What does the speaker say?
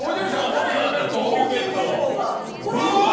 高級弁当が。